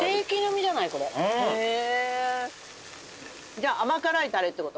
じゃあ甘辛いタレって事？